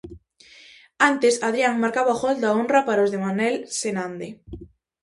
Antes, Adrián marcaba o gol da honra para os de Manel Senande.